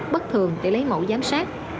bất thường để lấy mẫu giám sát